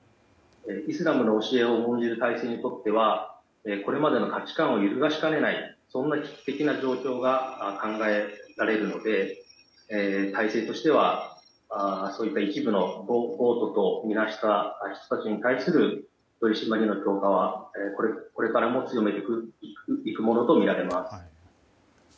イスラムの教えを重んじる体制にとってはこれまでの価値観を揺るがしかねないそんな危機的な状況が考えられるので体制としてはそういった一部の暴徒とみなした人たちに対する取り締まりの強化をこれからも強めていくとみられます。